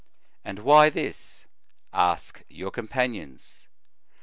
And why this ? Ask your companions.